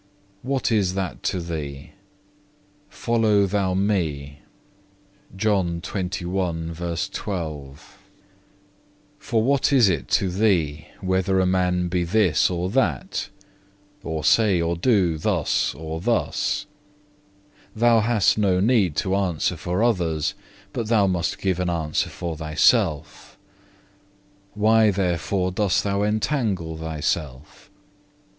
_What is that to thee? Follow thou Me._(1) For what is it to thee whether a man be this or that, or say or do thus or thus? Thou hast no need to answer for others, but thou must give an answer for thyself. Why therefore dost thou entangle thyself?